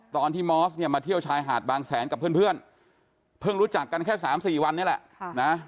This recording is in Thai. ตอนที่มอสเนี่ยมาเที่ยวชายหาดบางแสนกับเพื่อนเพิ่งรู้จักกันแค่๓๔วันนี้แหละนะ